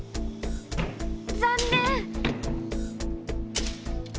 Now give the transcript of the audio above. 残念！